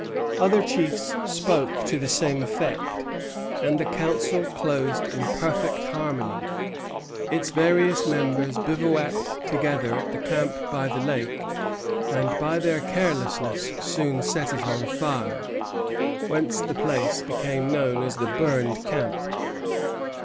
Other chiefs spoke to the same effect, and the council closed in perfect harmony. Its various members bivouacked together at the camp by the lake, and by their carelessness soon set it on fire; whence the place became known as the Burned Camp.